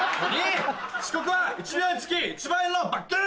「２．遅刻は１秒につき１万円の罰金」。